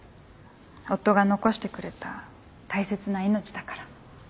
夫が残してくれた大切な命だから。